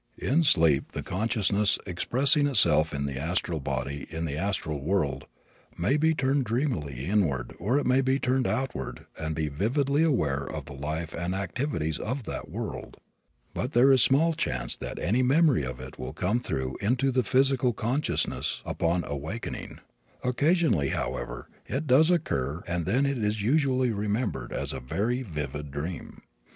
In sleep the consciousness, expressing itself in the astral body in the astral world, may be turned dreamily inward or it may be turned outward and be vividly aware of the life and activities of that world. But there is small chance that any memory of it will come through into the physical consciousness upon awakening. Occasionally, however, it does occur and then it is usually remembered as a very vivid dream.